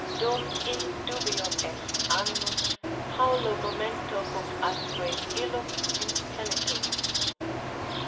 "Dum in dubio est animus, paulo momento huc atque Illuc impellitur."